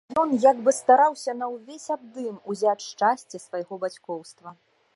І ён як бы стараўся на ўвесь абдым узяць шчасце свайго бацькоўства.